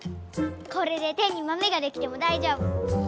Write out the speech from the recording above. これで手にマメができてもだいじょうぶ。